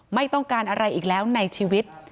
ไม่ต้องการอะไรอีกแล้วในชีวิต